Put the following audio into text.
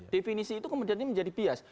definisi itu kemudian ini menjadi bias